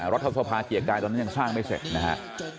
รัฐสภาเกียรติกายตอนนั้นยังสร้างไม่เสร็จนะฮะ